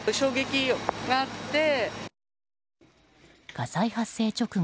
火災発生直後